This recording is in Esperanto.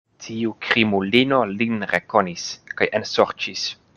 Tiu krimulino lin rekonis kaj ensorĉis.